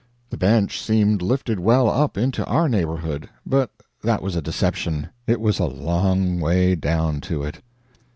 The bench seemed lifted well up into our neighborhood, but that was a deception it was a long way down to it.